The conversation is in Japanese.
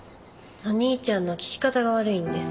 お兄ちゃんの聞き方が悪いんです。